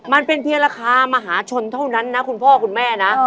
มันเป็นเพียงราคามหาชนเท่านั้นนะคุณพ่อคุณแม่นะ